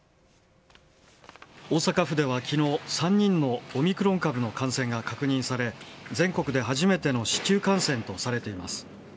大阪府では昨日３人のオミクロン株の感染が確認され全国で初めての市中感染とされています。